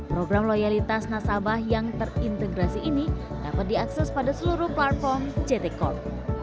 program loyalitas nasabah yang terintegrasi ini dapat diakses pada seluruh platform ct corp